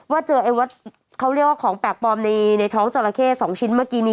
ว่าเจอครั้งแปลกปลอมในท้องจรเข้๒ชิ้นเมื่อกี้นี้